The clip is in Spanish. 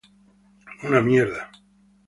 I love it!